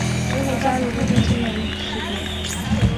之后加入陆军志愿役士兵。